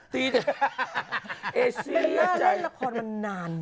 เบลล่าเล่นละครมันนานมาก